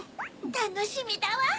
たのしみだわ！